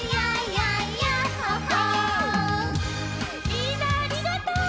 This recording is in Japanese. みんなありがとう！